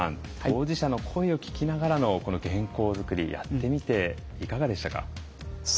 当事者の声を聞きながらのこの原稿作り、やってみていかがでしたか？